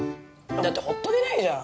だってほっとけないじゃん。